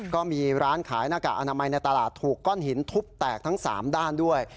ก็มีร้านขายหน้ากากอนามัยในตลาดถูกก้อนหินทุบแตกทั้ง๓ด้านด้วย